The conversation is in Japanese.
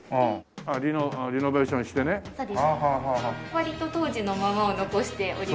割と当時のままを残しております。